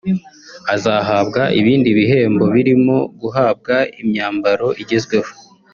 Azahabwa ibindi bihembo birimo guhabwa imyambaro igezweho